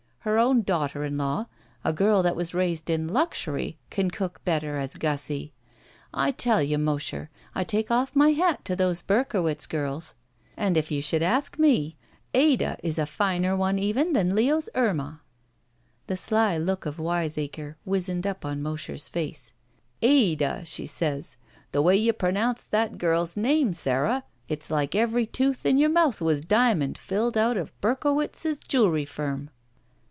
Her own daughter in law, a girl that was raised in luxury, can cook better as Gussie. I tell you, Mosher, I take oflE my hat to those Berk owitz girls. And if you should ask me, Ada is a finer one even than Leo's Irma." The sly look of wiseacre wizened up Mosher's face. "Ada!" she says. "The way you pronoimce that girl's name, Sara, it's like every tooth in your mouth was diamond filled out of Berkowitz's jewelry firm."